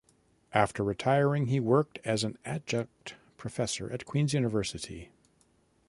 After retiring, he worked as an adjunct professor at Queen's University.